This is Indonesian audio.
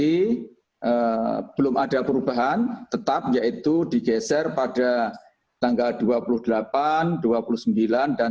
ini belum ada perubahan tetap yaitu digeser pada tanggal dua puluh delapan dua puluh sembilan tiga puluh dan tiga puluh satu